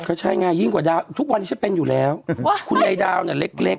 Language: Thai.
เขาใช่ไงยิ่งกว่าดาวทุกวันนี้จะเป็นอยู่แล้วว่ะคุณนายดาวเนี่ยเล็กเล็ก